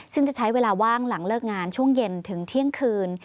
ซึ่งจะใช้เวลาว่างหลังเลิกงานช่วงเย็นถึงเที่ยงคืน